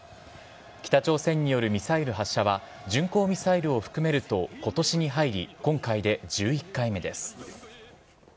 北朝鮮によるミサイル発射は、巡航ミサイルを含めるとことしに入り今回で１１回目です。